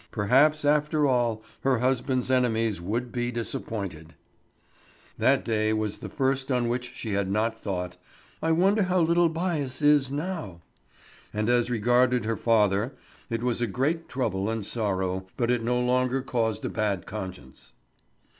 Perhaps after all her husband's enemies would be disappointed. That day was the first on which she had not thought: "I wonder how little Bias is now!" And as regarded her father it was a great trouble and sorrow, but it no longer caused a bad conscience.